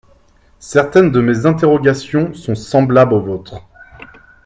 Certaines de mes interrogations sont semblables aux vôtres.